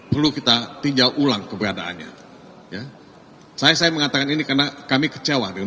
perlu kita tinjau ulang keberadaannya ya saya saya mengatakan ini karena kami kecewa dengan